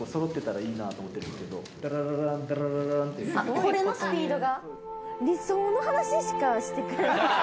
これのスピードが？